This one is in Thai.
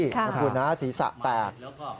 นะคุณนะศีรษะแตก